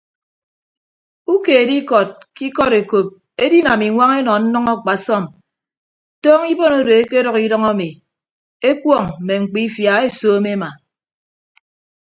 Ukeed ikọd ke ikọd ekop edinam iñwañ enọ nnʌñ akpasọm tọọñọ ibon odo ekedʌk idʌñ ami ekuọñ mme mkpiifia esoomo ema.